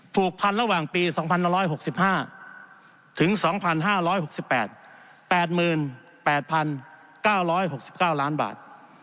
ผูกพันธุ์ระหว่างปี๒๕๖๕๒๕๖๘เป็น๘๘๙๖๙ล้านบาท